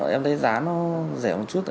em thấy giá nó rẻ một chút